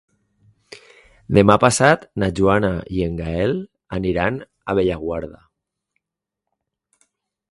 Demà passat na Joana i en Gaël aniran a Bellaguarda.